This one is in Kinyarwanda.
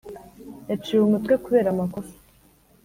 yaciwe umutwe kubera amakosa